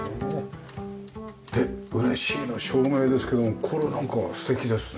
で嬉しいの照明ですけどもこれなんか素敵ですね。